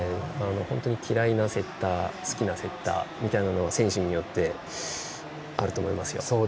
本当に嫌いなセッター好きなセッターみたいなのも選手によってあると思いますよ。